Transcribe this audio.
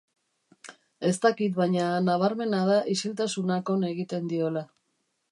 Ez dakit, baina nabarmena da isiltasunak on egiten diola.